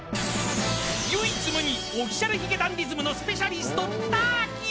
［唯一無二Ｏｆｆｉｃｉａｌ髭男ｄｉｓｍのスペシャリストＴａｒｋｉｅｅ］